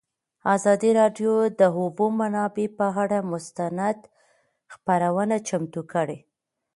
ازادي راډیو د د اوبو منابع پر اړه مستند خپرونه چمتو کړې.